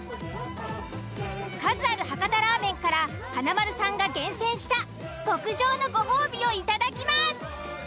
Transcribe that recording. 数ある博多ラーメンから華丸さんが厳選した極上のご褒美をいただきます！